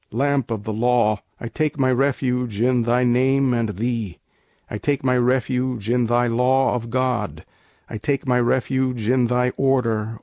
Lamp of the Law! I take my refuge in Thy name and Thee! I take my refuge in Thy Law of God! I take my refuge in Thy Order!